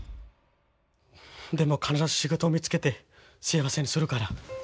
でも必ず仕事見つけて幸せにするから。